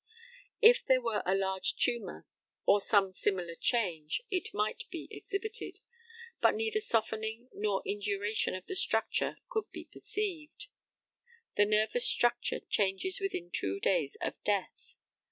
If there were a large tumour, or some similar change, it might be exhibited; but neither softening nor induration of the structure could be perceived. The nervous structure changes within two days of death.